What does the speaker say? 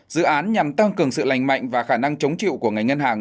dự án nhằm tăng cường sự lành mạnh và khả năng chống chịu của ngành ngân hàng